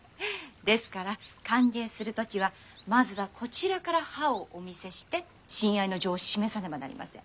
ですから歓迎する時はまずはこちらから歯をお見せして親愛の情を示さねばなりません。